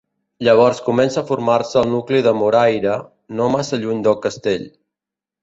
Llavors comença a formar-se el nucli de Moraira, no massa lluny del castell.